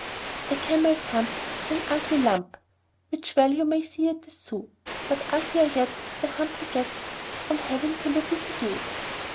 THE Camel's hump is an ugly lump Which well you may see at the Zoo; But uglier yet is the hump we get From having too little to do.